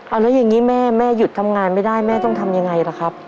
เอาแล้วอย่างนี้แม่แม่หยุดทำงานไม่ได้แม่ต้องทำยังไงล่ะครับ